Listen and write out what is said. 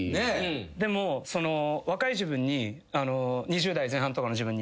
でも若い自分に２０代前半とかの自分に。